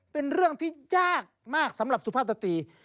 เป็นเรื่องที่ยากมากสำหรับสุภาพสตรี